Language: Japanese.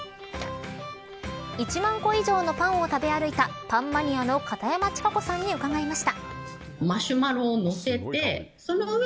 １万個以上のパンを食べ歩いたパンマニアの片山智香子さんに伺いました。